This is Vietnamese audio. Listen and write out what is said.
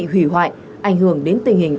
hủy hoại ảnh hưởng đến tình hình